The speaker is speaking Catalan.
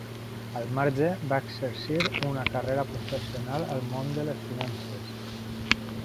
Al marge, va exercir una carrera professional al món de les finances.